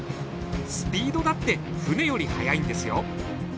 スピードだって船より速いんですよ。